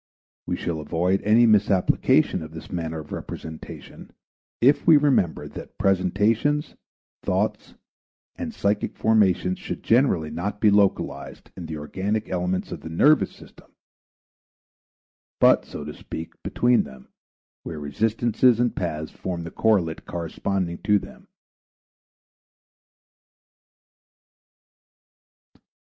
We shall avoid any misapplication of this manner of representation if we remember that presentations, thoughts, and psychic formations should generally not be localized in the organic elements of the nervous system, but, so to speak, between them, where resistances and paths form the correlate corresponding to them.